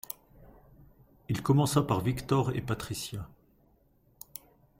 Il commença par Victor et Patricia.